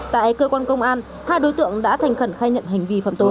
tại cơ quan công an hai đối tượng đã thành khẩn khai nhận hành vi phạm tội